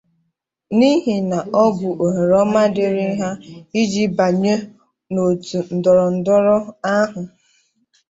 n'ihi na ọ bụ ohere ọma dịịrị ha iji banye n'òtù ndọrọndọrọ ahụ